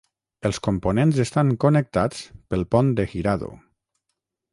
Els components estan connectats pel pont de Hirado.